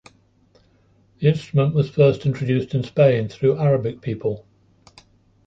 The instrument was first introduced in Spain through Arabic people.